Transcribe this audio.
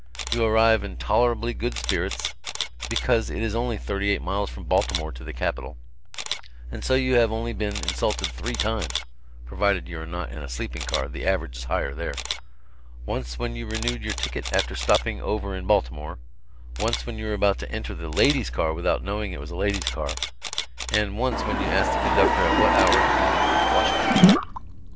You arrive in tolerably good spirits, because it is only thirty eight miles from Baltimore to the capital, and so you have only been insulted three times (provided you are not in a sleeping car the average is higher there): once when you renewed your ticket after stopping over in Baltimore; once when you were about to enter the "ladies' car" without knowing it was a lady's car; and once when you asked the conductor at what hour you would reach Washington.